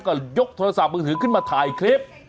ก็ยกโทรศัพท์มือถือขึ้นมาถ่ายคลิป